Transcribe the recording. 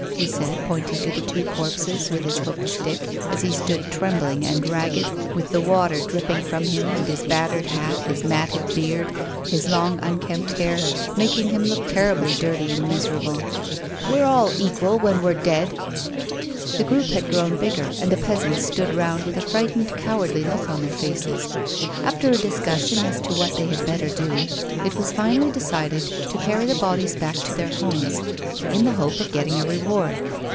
he said, pointing to the two corpses with his hooked stick, as he stood trembling and ragged, with the water dripping from him, and his battered hat, his matted beard, his long unkempt hair, making him look terribly dirty and miserable. " We're all equal when we're dead." The group had grown bigger, and the peasants stood round with a frightened, cowardly look on their faces. After a discussion as to what they had better do, it was finally decided to carry the bodies back to their homes, in the hope of getting a reward.